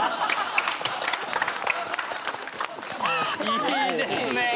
いいですね！